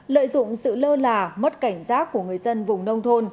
lợi dụng sự lơ là mất cảnh giác của người dân vùng nông thôn